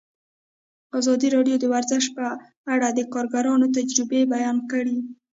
ازادي راډیو د ورزش په اړه د کارګرانو تجربې بیان کړي.